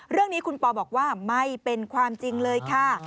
เรื่องนี้คุณปอบอกว่าไม่เป็นความจริงเลยค่ะ